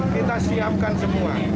kita siapkan semua